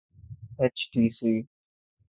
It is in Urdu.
H T C